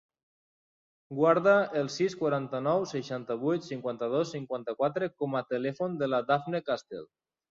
Guarda el sis, quaranta-nou, seixanta-vuit, cinquanta-dos, cinquanta-quatre com a telèfon de la Dafne Castel.